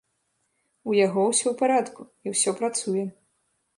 У яго ўсё ў парадку, і ўсё працуе.